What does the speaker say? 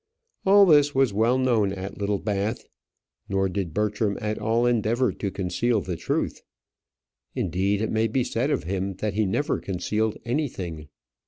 All this was well known at Littlebath; nor did Bertram at all endeavour to conceal the truth. Indeed, it may be said of him, that he never concealed anything.